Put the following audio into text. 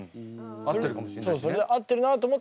合ってるかもしれないしね。